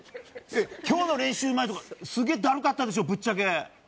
今日の練習前とかすごいだるかったでしょぶっちゃけ。